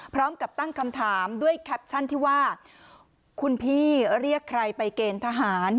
พร้อมกับตั้งคำถามด้วยแคปชั่นที่ว่าคุณพี่เรียกใครไปเกณฑ์ทหาร